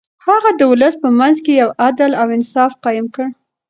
هغه د ولس په منځ کې يو عدل او انصاف قايم کړ.